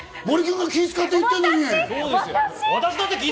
森君が気を使って言ってんのに！